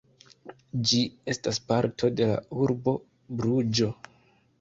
Ĝi estas parto de la urbo Bruĝo.